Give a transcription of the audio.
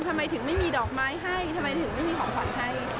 ทำไมถึงไม่มีดอกไม้ให้ทำไมถึงไม่มีของขวัญให้